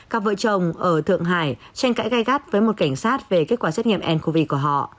các vợ chồng ở thượng hải tranh cãi gai gắt với một cảnh sát về kết quả xét nghiệm ncov của họ